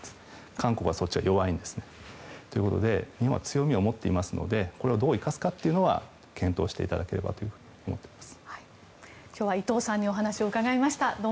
韓国はそっちに弱いんです。ということで日本は強みを持っていますのでこれをどう生かすかというのを検討していただければと思います。